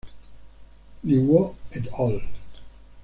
Li Guo "et al.